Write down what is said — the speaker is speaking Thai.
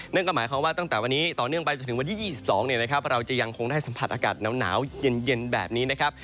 นั่นก็หมายความว่าตั้งแต่วันนี้ต่อเนื่องไปจนถึงวันที่๒๒เราจะยังคงได้สัมผัสอากาศหนาวเย็นแบบนี้นะครับ